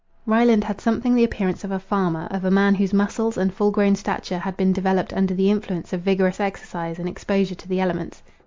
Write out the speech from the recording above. Ryland had something the appearance of a farmer; of a man whose muscles and full grown stature had been developed under the influence of vigorous exercise and exposure to the elements.